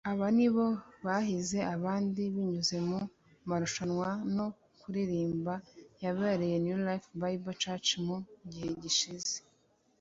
Aba ni bo bahize abandi binyuze mu marushanwa no kuririmba yabereye New Life Bible church mu gihe gishize